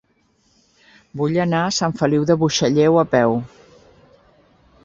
Vull anar a Sant Feliu de Buixalleu a peu.